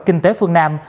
kinh tế phương nam